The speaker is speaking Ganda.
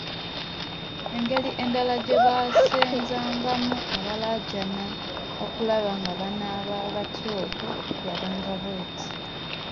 Engeri endala gye baagezesangamu abalajjana okulaba nga banaaba "batuufu" yabanga bweti